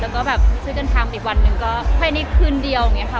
แล้วก็แบบซื้อกันทางอีกวันนึงก็ค่ะอันนี้คืนเดียวอย่างเงี้ยค่ะ